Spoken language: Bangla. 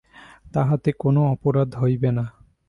তাহাতে কোনো অপরাধ হইবে না।